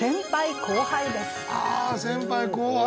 あ「先輩・後輩」。